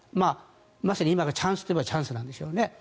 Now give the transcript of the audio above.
まさに今がチャンスといえばチャンスなんですよね。